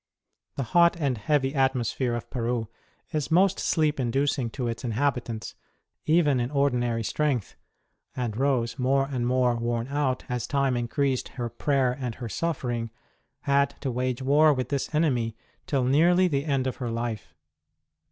The hot and heavy atmosphere of Peru is most sleep inducing to its inhabitants, even in ordinary strength, and Rose, more and more worn out, as time increased her prayer and her suffering, had to wage war with this enemy till nearly the end of her life.